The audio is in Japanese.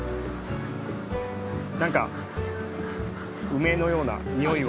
なんか梅のようなにおいは。